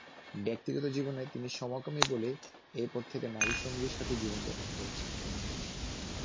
ব্যক্তিগত জীবনে তিনি সমকামী বলে এরপর থেকে নারী সঙ্গীর সাথে জীবনযাপন করছেন।